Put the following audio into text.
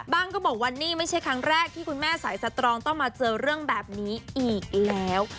ก็บอกว่านี่ไม่ใช่ครั้งแรกที่คุณแม่สายสตรองต้องมาเจอเรื่องแบบนี้อีกแล้ว